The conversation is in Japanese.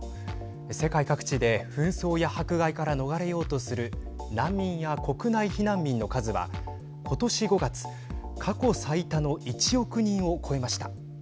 世界各地で紛争や迫害から逃れようとする難民や国内避難民の数はことし５月、過去最多の１億人を超えました。